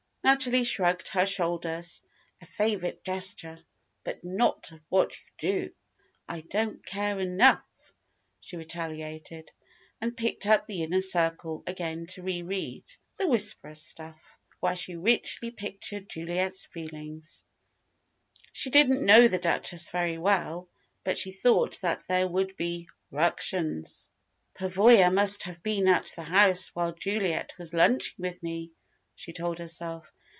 Natalie shrugged her shoulders, a favourite gesture. "But not of what you do, I don't care enough," she retaliated, and picked up the Inner Circle again to re read "the Whisperer stuff", while she richly pictured Juliet's feelings. She didn't know the Duchess very well, but she thought that there would be "ructions." "Pavoya must have been at the house while Juliet was lunching with me," she told herself.